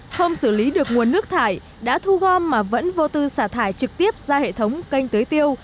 không xử lý được nguồn nước thải đã thu gom mà vẫn vô tư xả thải trực tiếp ra hệ thống canh tưới tiêu